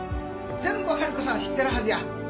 全部春子さん知ってるはずや。